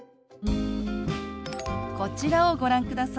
こちらをご覧ください。